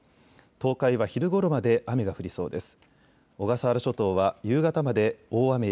東海は昼ごろまで雨が降りそうです。